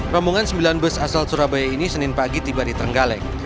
rombongan sembilan bus asal surabaya ini senin pagi tiba di trenggalek